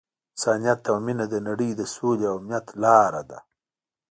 انسانیت او مینه د نړۍ د سولې او امنیت لاره ده.